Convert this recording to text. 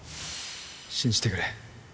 信じてくれ